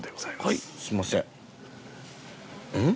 はいすいません。